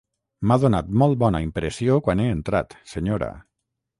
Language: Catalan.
M'ha donat molt bona impressió quan he entrat, senyora.